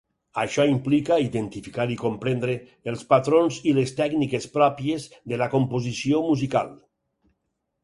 Això implica identificar i comprendre els patrons i les tècniques pròpies de la composició musical.